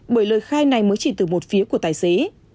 bởi lời khai này mới chỉ từ một phía của tài xế